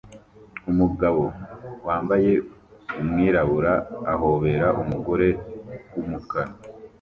umugabo wambaye umwirabura ahobera umugore wumukara